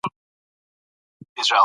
زه اوس د خپلې راتلونکې لوبې پلان جوړوم.